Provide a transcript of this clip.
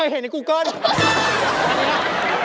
เห็นในกูเกิ้ล